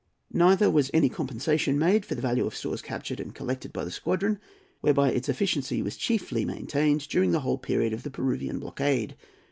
Neither was any compensation made for the value of stores captured and collected by the squadron, whereby its efficiency was chiefly maintained during the whole period of the Peruvian blockade.